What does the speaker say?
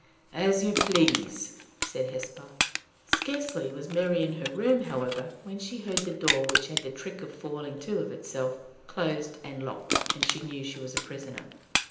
"As you please," said Hesper. Scarcely was Mary in her room, however, when she heard the door, which had the trick of falling to of itself, closed and locked, and knew that she was a prisoner.